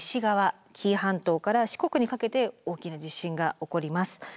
紀伊半島から四国にかけて大きな地震が起こります。